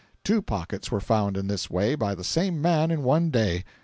Two pockets were found in this way by the same man in one day.